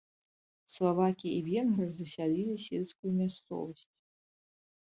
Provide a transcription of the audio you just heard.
Славакі і венгры засялілі сельскую мясцовасць.